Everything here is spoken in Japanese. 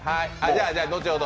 じゃ、後ほど。